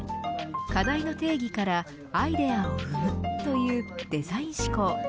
課題の定義からアイデアを生むというデザイン思考。